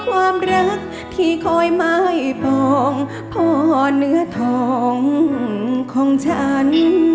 ความรักที่คอยไม่พองพ่อเนื้อทองของฉัน